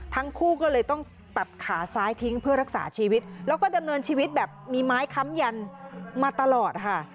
ทั้งคู่ก็เลยต้องตัดขาซ้ายทิ้งเพื่อรักษาชีวิตแล้วก็ดำเนินชีวิตแบบมีไม้ค้ำยันมาตลอดค่ะ